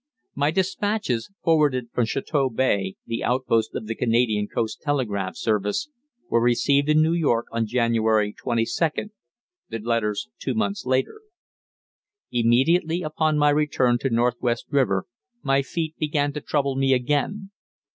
My dispatches, forwarded from Chateau Bay, the outpost of the Canadian coast telegraph service, were received in New York on January 22d, the letters two months later. Immediately upon my return to Northwest River, my feet began to trouble me again.